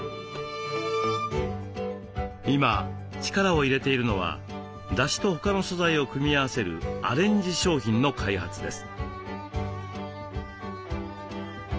今力を入れているのはだしと他の素材を組み合わせるアレンジ商品の開発です。